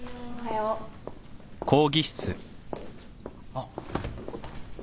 あっ。